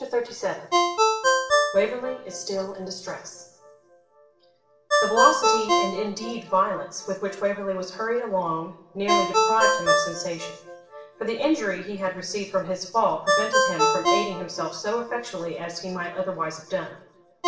CHAPTER XXXVII WAVERLEY IS STILL IN DISTRESS The velocity, and indeed violence, with which Waverley was hurried along nearly deprived him of sensation; for the injury he had received from his fall prevented him from aiding himself so effectually as he might otherwise have done.